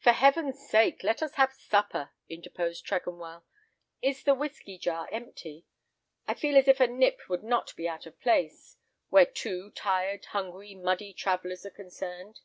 "For Heaven's sake let us have supper," interposed Tregonwell. "Is the whisky jar empty? I feel as if a nip would not be out of place, where two tired, hungry, muddy travellers are concerned."